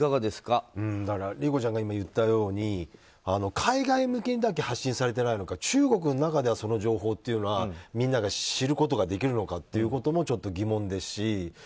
理子ちゃんが言ったように海外向けにだけ発信されてないのか中国の中ではその情報というのはみんなが知ることができるのかということもちょっと疑問ですし。